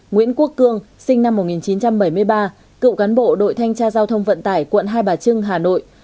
nguyễn quốc cương sinh năm một nghìn chín trăm bảy mươi ba cựu cán bộ đội thanh tra giao thông vận tải quận hai bà trưng hà nội